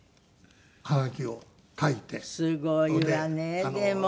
すごいわねでも。